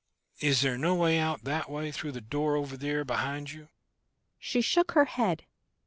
Is there no way out that way, through the door over there behind you?" She shook her head.